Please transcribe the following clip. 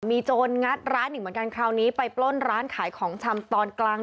มีโจรงัดร้านอีกเหมือนกันคราวนี้ไปปล้นร้านขายของชำตอนกลาง